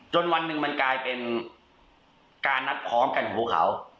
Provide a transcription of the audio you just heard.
วันหนึ่งมันกลายเป็นการนัดพร้อมกันของพวกเขา